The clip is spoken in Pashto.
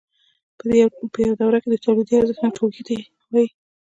په یوه دوره کې د تولیدي ارزښتونو ټولګې ته وایي